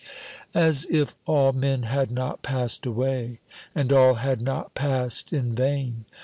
As if all men had not passed away, and all had not passed in vain